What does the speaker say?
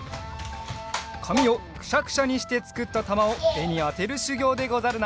かみをくしゃくしゃにしてつくったたまをえにあてるしゅぎょうでござるな。